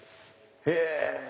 へぇ！